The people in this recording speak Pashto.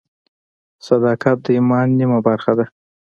صداقت د ایمان نیمه برخه ده.